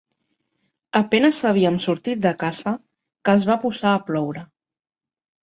A penes havíem sortit de casa que es va posar a ploure.